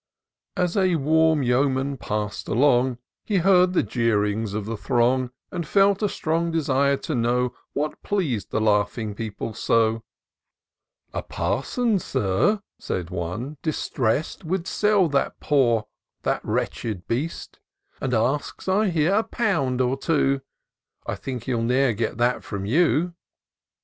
As a warm yeoman pass'd along, He heard the jeerings of the throng. IN SEARCH OF THB PICTURESQUE. 183 And felt a strong desire to know What pleas'd the laughing people so. " A parson, Sir," says one, " distressed, Would sell that poor, that wretched heftst ; And asks, I hear, a pound or two : I think he'll ne'er get that from you."